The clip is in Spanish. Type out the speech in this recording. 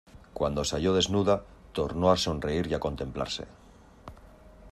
cuando se halló desnuda tornó a sonreír y a contemplarse.